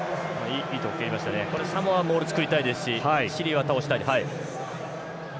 サモアボール作りたいですしチリは倒したいです。